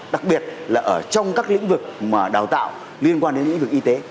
đặc biệt là ở trong các lĩnh vực mà đào tạo liên quan đến lĩnh vực y tế